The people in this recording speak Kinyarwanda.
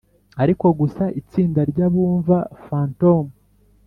ariko gusa itsinda ryabumva fantom